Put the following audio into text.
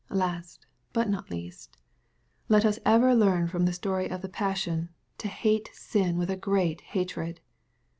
Last, but not least, let us ever learn from the stojy of the passion, to hate sin with a great hatred.